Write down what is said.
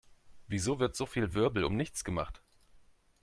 Wieso wird so viel Wirbel um nichts gemacht?